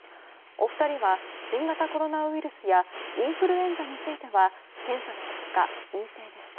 お二人は新型コロナウイルスやインフルエンザについては検査の結果、陰性でした。